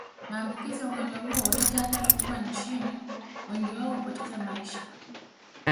Maambukizi ya ugonjwa huo huleta athari kubwa Nchini wengi wao hupoteza maisha